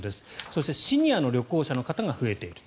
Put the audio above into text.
そして、シニアの旅行者の方が増えている。